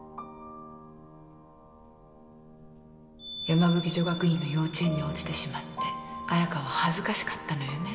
山吹女学院の幼稚園に落ちてしまって彩香は恥ずかしかったのよね？